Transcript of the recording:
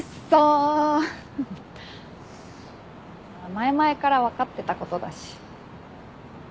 前々からわかってたことだし。